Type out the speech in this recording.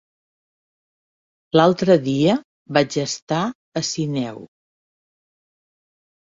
L'altre dia vaig estar a Sineu.